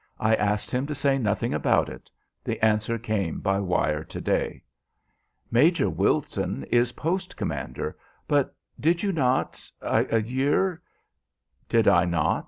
I asked him to say nothing about it. The answer came by wire to day." "Major Wilton is post commander; but did you not a year ?" "Did I not?"